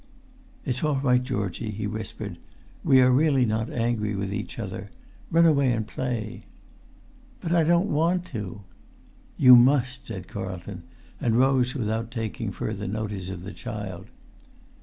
"It's all right, Georgie," he whispered: "we are not really angry with each other. Run away and play." "But I don't want to!" "You must," said Carlton, and rose without taking further notice of the child.